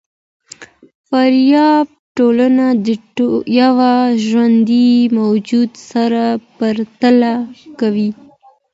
فارابي ټولنه د یوه ژوندي موجود سره پرتله کوي.